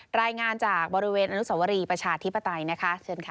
รายงานจากบริเวณอนุสวรีประชาธิปไตยนะคะเชิญค่ะ